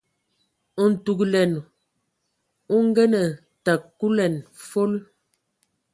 Ntugəlɛn o ngənə təg kulɛn fol.